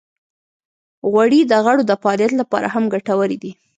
غوړې د غړو د فعالیت لپاره هم ګټورې دي.